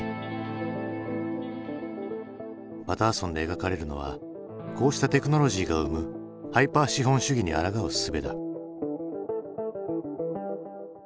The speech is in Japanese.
「パターソン」で描かれるのはこうしたテクノロジーが生むハイパー資本主義にあらがうすべだ。